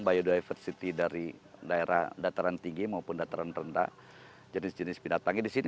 biodiversity dari daerah dataran tinggi maupun dataran rendah jenis jenis binatangnya di situ